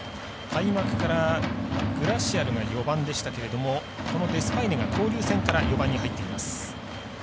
開幕からグラシアルが４番でしたけれどもこのデスパイネが交流戦から４番に入っています。